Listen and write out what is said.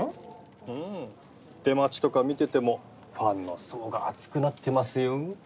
うん出待ちとか見ててもファンの層が厚くなってますよ。